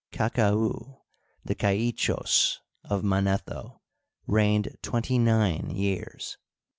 Kakau, the Kaichos of Manetho, reigned twenty nine years.